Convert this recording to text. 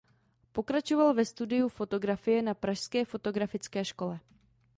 Pokračoval ve studiu fotografie na Pražské fotografické škole.